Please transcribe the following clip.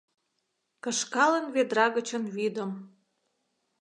Кышкалын ведра гычын вӱдым